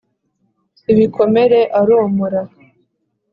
ibikomere aromora.